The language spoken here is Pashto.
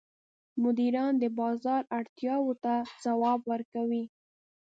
مدیران د بازار اړتیاوو ته ځواب ورکوي.